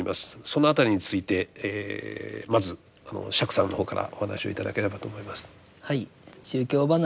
その辺りについてまず釈さんの方からお話を頂ければと思います。